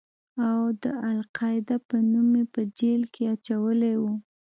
او د القاعده په نوم يې په جېل کښې اچولى و.